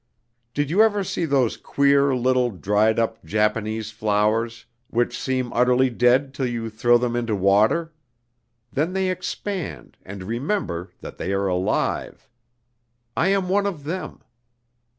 "Did you ever see those queer little dried up Japanese flowers which seem utterly dead till you throw them into water? Then they expand and remember that they are alive. I am one of them.